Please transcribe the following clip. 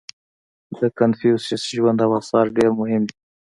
• د کنفوسیوس ژوند او آثار ډېر مهم دي.